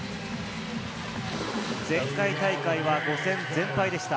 前回大会は５戦全敗でした。